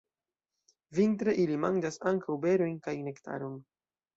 Vintre ili manĝas ankaŭ berojn kaj nektaron.